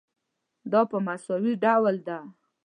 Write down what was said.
دا په مساوي ډول ده.